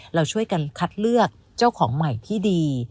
เราช่วยกันคัดเลือกเจ้าของใหม่ที่ดี